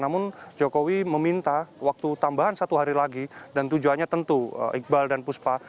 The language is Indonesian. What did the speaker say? namun jokowi meminta waktu tambahan satu hari lagi dan tujuannya tentu iqbal dan puspa